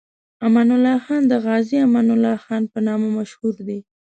امان الله خان د غازي امان الله خان په نامه مشهور دی.